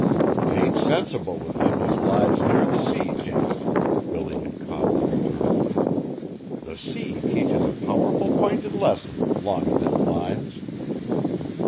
"'T ain't sensible with them as lives near the sea, Janet," Billy had calmly returned. "The sea teaches a powerful pinted lesson 'long o' them lines.